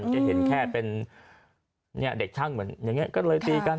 จะเห็นแค่เป็นเด็กช่างเหมือนอย่างนี้ก็เลยตีกัน